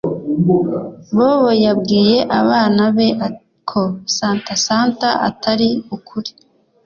Bobo yabwiye abana be ko Santa Santa atari ukuri